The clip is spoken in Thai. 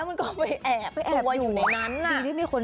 แล้วมันก็ไปแอบอยู่ในนั้น